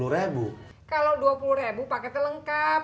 rp dua puluh kalau rp dua puluh paket lengkap